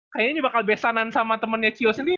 kayaknya ini bakal besanan sama temennya cio sendiri